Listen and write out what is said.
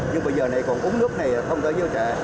nhưng bây giờ này còn úng nước này là không thể gieo sẽ